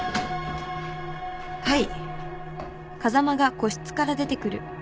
はい。